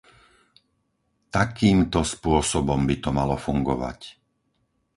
Takýmto spôsobom by to malo fungovať.